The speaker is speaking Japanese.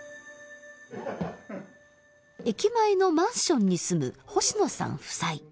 駅前のマンションに住む星野さん夫妻。